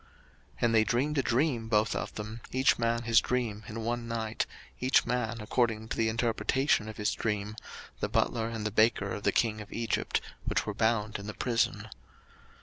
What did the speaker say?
01:040:005 And they dreamed a dream both of them, each man his dream in one night, each man according to the interpretation of his dream, the butler and the baker of the king of Egypt, which were bound in the prison.